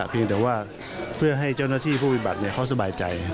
เพียงแต่ว่าเพื่อให้เจ้าหน้าที่ผู้ปฏิบัติเขาสบายใจ